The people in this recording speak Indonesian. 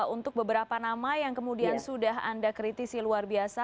untuk beberapa nama yang kemudian sudah anda kritisi luar biasa